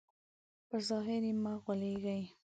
په ظاهر مه غولېږئ.